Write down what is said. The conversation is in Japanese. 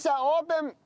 オープン！